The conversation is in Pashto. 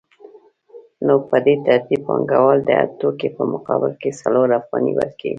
نو په دې ترتیب پانګوال د هر توکي په مقابل کې څلور افغانۍ ورکوي